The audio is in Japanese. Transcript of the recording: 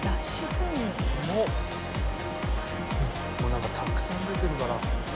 なんかたくさん出てるから。